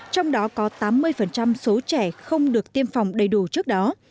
trong đó có tám mươi số trẻ không được tiêm phòng đầy đủ trước đó